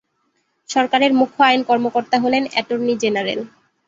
সরকারের মুখ্য আইন কর্মকর্তা হলেন অ্যাটর্নি জেনারেল।